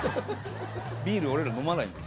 ビール俺ら飲まないんで。